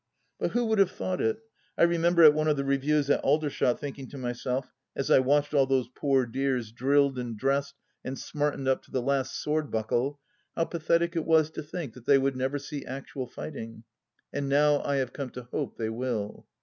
But who would have thought it ? I remember at one of the reviews at Aldershot thinking to myself, as I watched all those poor dears drilled and dressed and smartened up to the last sword buckle, how pathetic it was to think that they would never see actual fighting. And now I have come to hope they will.